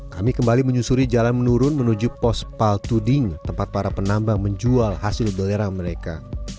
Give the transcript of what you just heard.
kami kembali menyusuri jalan menurun menuju pos paltuding tempat para penambang menjual hasil belerang mereka